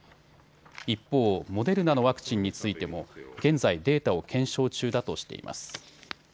一方、モデルナのワクチンについても現在データを検証中だとしています。